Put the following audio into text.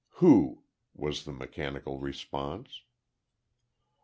"Who?" was the mechanical response.